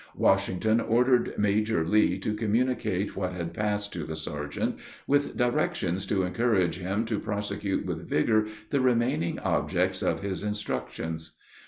Washington ordered Major Lee to communicate what had passed to the sergeant, with directions to encourage him to prosecute with vigor the remaining objects of his instructions.